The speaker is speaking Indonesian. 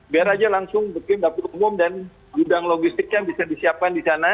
biar aja langsung bikin dapur umum dan gudang logistik yang bisa disiapkan di sana